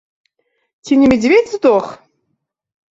Ці не мядзведзь здох?